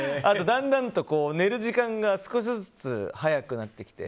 だんだんと寝る時間が少しずつ早くなってきて。